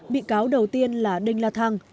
bị cáo đầu tiên là đinh la thăng